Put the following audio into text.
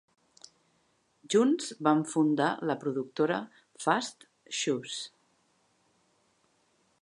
Junts van fundar la productora Fast Shoes.